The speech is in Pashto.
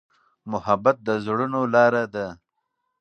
محبت د زړونو لاره ده.